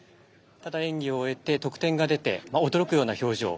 演技を終えて、得点が出て驚くような表情